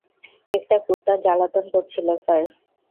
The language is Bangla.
একটা কুত্তা জালাতন করছিলো, স্যার!